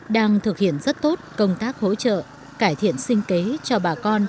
đang thực hiện rất tốt công tác hỗ trợ cải thiện sinh kế cho bà con